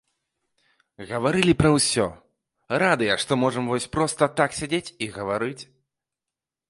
Гаварылі пра ўсё, радыя, што можам вось проста так сядзець і гаварыць.